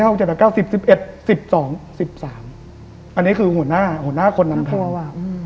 อันนี้คือหัวหน้าหัวหน้าคนนำตัวว่า